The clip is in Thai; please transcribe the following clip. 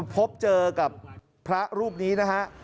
พบเจอกับพระรูปนี้นะฮะ